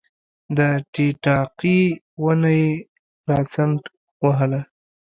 د ټیټاقې ونه یې راڅنډ وهله